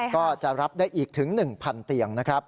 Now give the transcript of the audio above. ก็จะรับได้อีกถึง๑๐๐เตียงนะครับ